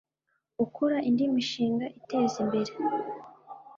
Gukora indi mishinga iteza imbere